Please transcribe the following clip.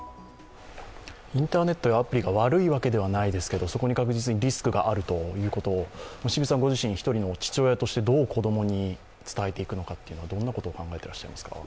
インターネットやアプリが悪いわけではないですけどそこに確実にリスクがあるということ、１人の父親としてどう子供に伝えるか、どう考えてらっしゃいますか？